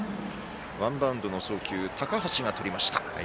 ワンバウンドの送球を高橋がとりました。